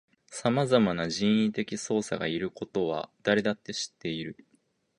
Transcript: さまざまな人為的操作がいることは誰だって知っている